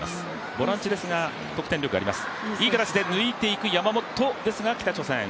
ボランチですが、得点力があります